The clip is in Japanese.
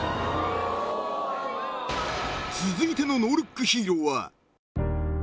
［続いてのノールックヒーローは］